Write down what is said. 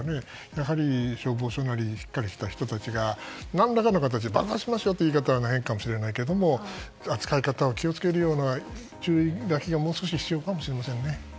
やはり消防署なりしっかりした人たちが何らかの形で爆発しますよ！というのは変かもしれないけど扱い方に気を付けるような注意書きがもう少し必要かもしれませんね。